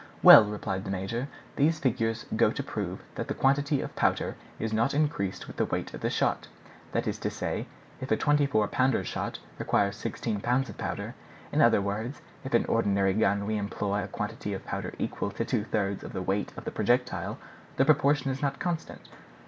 "Well," replied the major, "these figures go to prove that the quantity of powder is not increased with the weight of the shot; that is to say, if a 24 pounder shot requires sixteen pounds of powder;—in other words, if in ordinary guns we employ a quantity of powder equal to two thirds of the weight of the projectile, this proportion is not constant.